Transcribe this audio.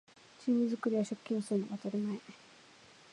チーム作りは借金するのが当たり前